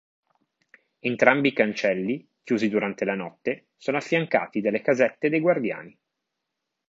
Entrambi i cancelli, chiusi durante la notte, sono affiancati dalle casette dei guardiani.